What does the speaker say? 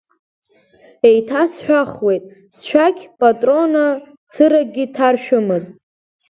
Еиҭасҳәахуеит, сшәақь патрона цыракгьы ҭаршәмызт…